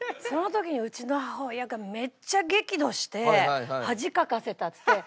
その時にうちの母親がめっちゃ激怒して「恥かかせた」って。